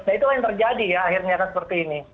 nah itu yang terjadi ya akhirnya seperti ini